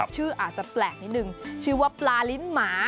ชื่ออาจจะแปลกนิดนึงชื่อว่าปลาลิ้นหมา